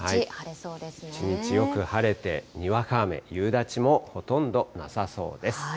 一日よく晴れて、にわか雨、夕立もほとんどなさそうです。